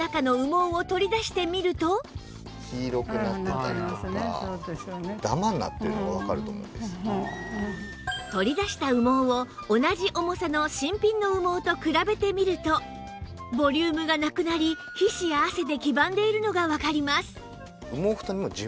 実際に取り出した羽毛を同じ重さの新品の羽毛と比べてみるとボリュームがなくなり皮脂や汗で黄ばんでいるのがわかります